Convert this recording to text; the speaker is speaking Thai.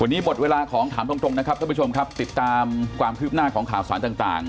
วันนี้หมดเวลาของถามตรงนะครับท่านผู้ชมครับติดตามความคืบหน้าของข่าวสารต่าง